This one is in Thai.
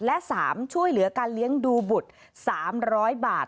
และ๓ช่วยเหลือการเลี้ยงดูบุตร๓๐๐บาท